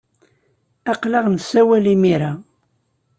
Aql-aɣ nessawal imir-a.